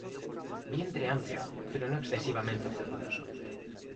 Vientre amplio, pero no excesivamente voluminoso.